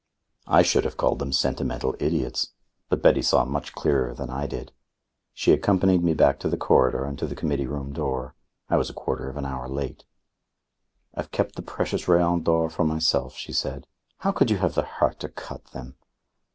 I should have called them sentimental idiots, but Betty saw much clearer than I did. She accompanied me back to the corridor and to the Committee Room door. I was a quarter of an hour late. "I've kept the precious Rayon d'Ors for myself," she said. "How could you have the heart to cut them?"